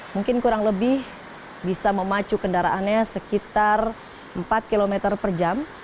mungkin kurang lebih bisa memacu kendaraannya sekitar empat km per jam